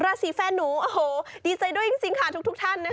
ราศีแฟนหนูโอ้โหดีใจด้วยจริงค่ะทุกท่านนะคะ